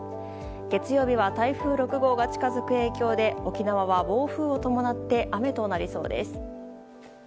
月曜日は台風６号が近づく影響で沖縄は暴風を伴って雨となりそうです。